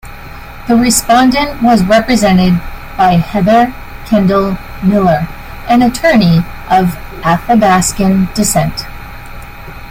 The respondent was represented by Heather Kendall-Miller, an attorney of Athabascan descent.